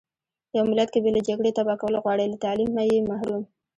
يو ملت که بې له جګړې تبا کول غواړٸ له تعليمه يې محروم .